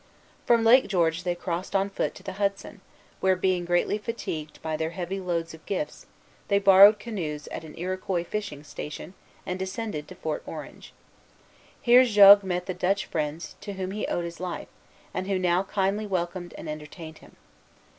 From Lake George they crossed on foot to the Hudson, where, being greatly fatigued by their heavy loads of gifts, they borrowed canoes at an Iroquois fishing station, and descended to Fort Orange. Here Jogues met the Dutch friends to whom he owed his life, and who now kindly welcomed and entertained him.